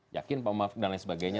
yakin pak maaf dan lain sebagainya